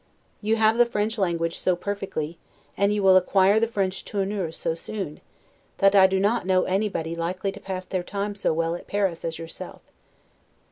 You have the French language so perfectly, and you will acquire the French 'tournure' so soon, that I do not know anybody likely to pass their time so well at Paris as yourself.